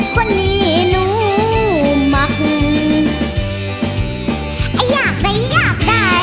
คนนี้หนูมาก